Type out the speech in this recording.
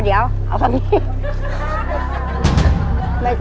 เดี๋ยวเอาคำนี้